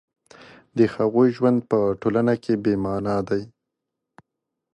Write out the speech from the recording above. د هغوی ژوند په ټولنه کې بې مانا دی